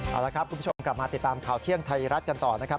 เอาละครับคุณผู้ชมกลับมาติดตามข่าวเที่ยงไทยรัฐกันต่อนะครับ